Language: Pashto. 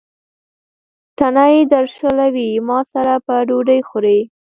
تڼۍ درشلوي: ما سره به ډوډۍ خورې.